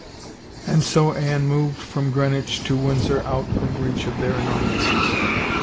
And so Anne moved from Greenwich to Windsor out of reach of their annoyances.